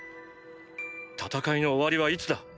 戦いの終わりはいつだ？